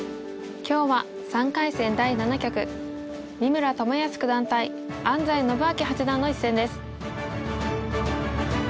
今日は３回戦第７局三村智保九段対安斎伸彰八段の一戦です。